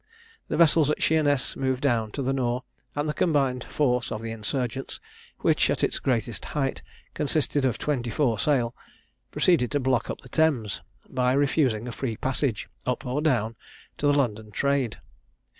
The vessels at Sheerness moved down to the Nore, and the combined force of the insurgents, which at its greatest height consisted of twenty four sail, proceeded to block up the Thames, by refusing a free passage, up or down, to the London trade.